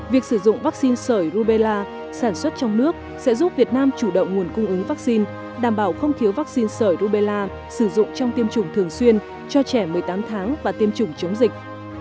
việc sử dụng vắc xin sởi rubella sản xuất trong nước sẽ giúp việt nam chủ động nguồn cung ứng vắc xin đảm bảo không thiếu vắc xin sởi rubella sử dụng trong tiêm chủng thường xuyên cho trẻ một mươi tám tháng và tiêm chủng chống dịch